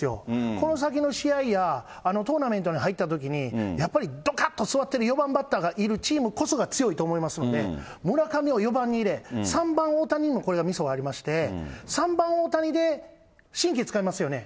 この先の試合や、トーナメントに入ったときに、やっぱりどかっと座ってる４番バッターがいるチームこそが強いと思いますので、村上を４番に入れ、３番大谷、これもみそありまして、３番大谷で神経つかいますよね。